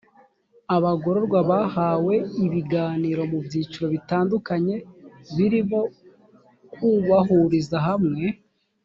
abagororwa bahawe ibiganiro mu byiciro bitandukanye birimo kubahuriza hamwe